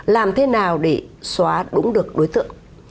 làm thế nào để xóa đúng được đối tượng